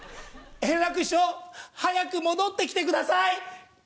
円楽師匠、早く戻ってきてください！